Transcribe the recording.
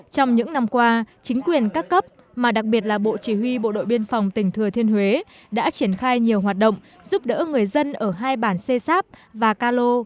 trong những năm qua chính quyền các cấp mà đặc biệt là bộ chỉ huy bộ đội biên phòng tỉnh thừa thiên huế đã triển khai nhiều hoạt động giúp đỡ người dân ở hai bản xê xáp và cà lô